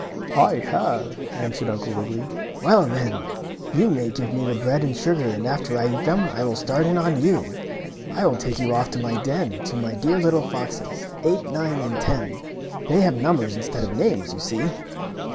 "I have," answered Uncle Wiggily. "Well, then, you may give me the bread and sugar and after I eat them I will start in on you. I will take you off to my den, to my dear little foxes. Eight, Nine and Ten. They have numbers instead of names, you see."